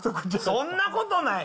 そんなことない。